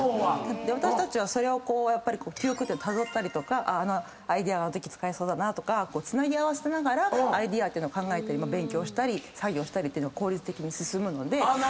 私たちはそれを記憶でたどったりとかあのアイデアあのとき使えそうだなとかつなぎ合わせながらアイデアってのを考えたり勉強したり作業したりっていうのが効率的に進むので。